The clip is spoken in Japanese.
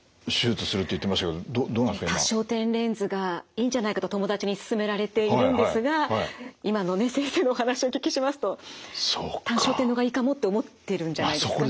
多焦点レンズがいいんじゃないかと友達にすすめられているんですが今のね先生のお話をお聞きしますと単焦点の方がいいかもって思ってるんじゃないですかね？